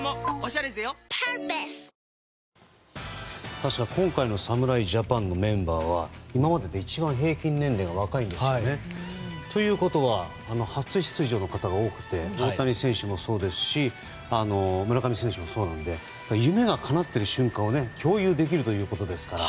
確か今回の侍ジャパンのメンバーは今までで一番平均年齢が若いんですよね。ということは初出場の方が多くて大谷選手もそうですし村上選手もそうなので夢がかなっている瞬間を共有できるということですから。